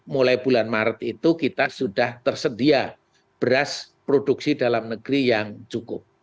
mulai bulan maret itu kita sudah tersedia beras produksi dalam negeri yang cukup